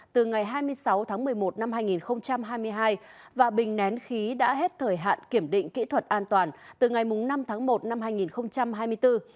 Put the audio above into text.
từ ngày hai mươi sáu tháng một mươi một năm hai nghìn hai mươi hai và bình nén khí đã hết thời hạn kiểm định kỹ thuật an toàn từ ngày năm tháng một năm hai nghìn hai mươi bốn